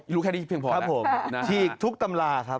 อ๋อรู้แค่นี้เพียงพอแล้วทีทุกตำราครับ